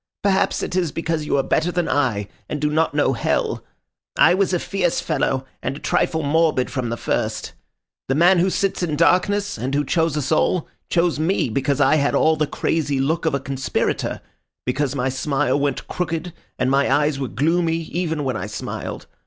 Perhaps it is because you are better than I, and do not know hell. I was a fierce fellow, and a trifle morbid from the first. The man who sits in darkness, and who chose us all, chose me because I had all the crazy look of a conspirator—because my smile went crooked, and my eyes were gloomy, even when I smiled.